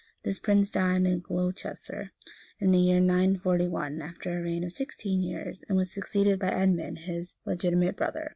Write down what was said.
This prince died at Glocester, in the year 94l,[] after a reign of sixteen years, and was succeeded by Edmund, his legitimate brother.